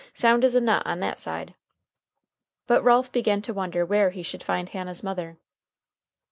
Sound as a nut on that side!" But Ralph began to wonder where he should find Hannah's mother.